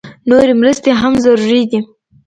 نورې مرستې هم ضروري دي